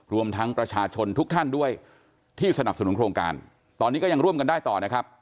รวมทั้งประชาชนทุกท่านด้วยที่สนับสนุนโครงการตอนนี้ก็ยังร่วมกันได้ต่อนะครับ